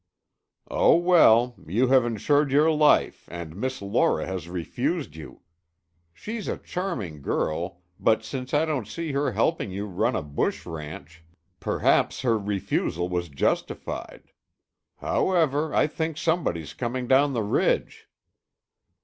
"Oh, well! You have insured your life and Miss Laura has refused you! She's a charming girl, but since I don't see her helping you run a bush ranch, perhaps her refusal was justified. However, I think somebody's coming down the ridge."